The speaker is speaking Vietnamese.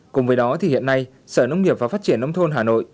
cùng với đó thì hiện nay sở nông nghiệp và phát triển nông thôn hà nội